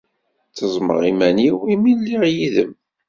tezzmeɣ iman-iw imi lliɣ yid-m.